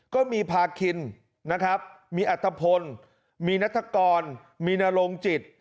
ก็มีพาคินนะครับมีอัตภพลมีนัฐกรมีนรงจิต